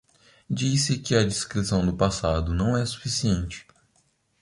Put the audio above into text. Diz-se que a descrição do passado não é suficiente